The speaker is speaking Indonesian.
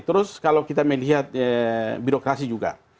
terus kalau kita melihat birokrasi juga